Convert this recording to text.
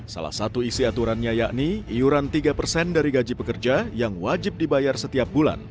salah satu isi aturannya yakni iuran tiga persen dari gaji pekerja yang wajib dibayar setiap bulan